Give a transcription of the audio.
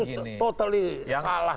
itu totally salah gitu loh